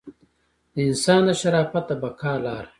د انسان د شرافت د بقا لاره.